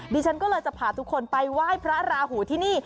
ดิฉันก็เลยจะพาทุกคนไปไหว้พระราหูที่นี่